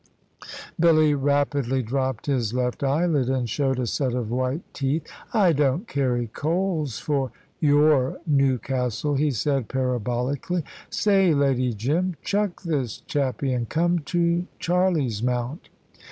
Billy rapidly dropped his left eyelid, and showed a set of white teeth. "I don't carry coals to your Newcastle," he said parabolically. "Say, Lady Jim, chuck this chappy, and come to Charlie's Mount."